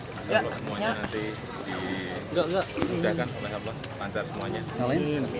masya allah semuanya nanti diudahkan masya allah lancar semuanya